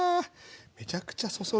めちゃくちゃそそる。